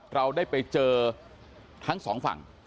เราได้ไปเจอทั้งสองฝั่ง